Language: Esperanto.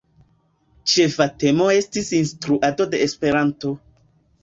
Ĉefa temo estis "Instruado de Esperanto".